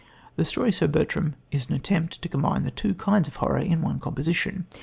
The story Sir Bertrand is an attempt to combine the two kinds of horror in one composition.